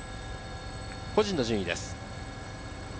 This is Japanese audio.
個人の順位です。